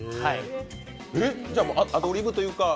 じゃあアドリブというか？